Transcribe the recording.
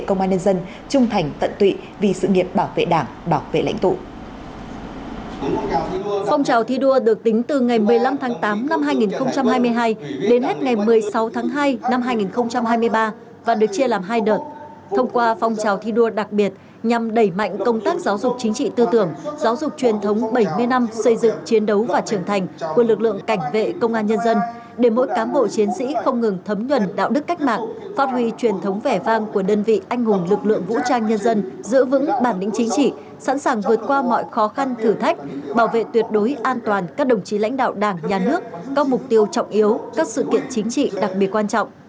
các giáo dục chính trị tư tưởng giáo dục truyền thống bảy mươi năm xây dựng chiến đấu và trưởng thành của lực lượng cảnh vệ công an nhân dân để mỗi cám bộ chiến sĩ không ngừng thấm nhuần đạo đức cách mạng phát huy truyền thống vẻ vang của đơn vị anh hùng lực lượng vũ trang nhân dân giữ vững bản lĩnh chính trị sẵn sàng vượt qua mọi khó khăn thử thách bảo vệ tuyệt đối an toàn các đồng chí lãnh đạo đảng nhà nước các mục tiêu trọng yếu các sự kiện chính trị đặc biệt quan trọng